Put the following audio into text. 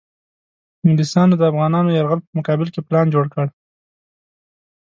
انګلیسیانو د افغانانو یرغل په مقابل کې پلان جوړ کړ.